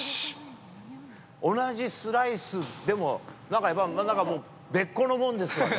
同じスライスでも、なんかやっぱ、別個のもんですよね。